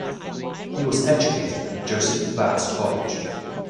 He was educated at Joseph Vaz College.